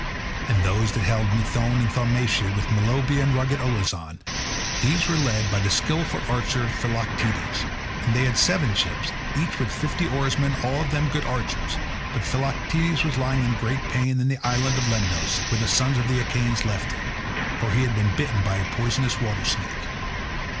And those that held Methone and Thaumacia, with Meliboea and rugged Olizon, these were led by the skilful archer Philoctetes, and they had seven ships, each with fifty oarsmen all of them good archers; but Philoctetes was lying in great pain in the Island of Lemnos, where the sons of the Achaeans left him, for he had been bitten by a poisonous water snake.